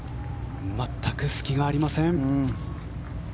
全く隙がありません。